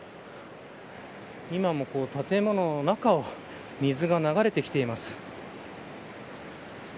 今も建物の中を水が流れてきています。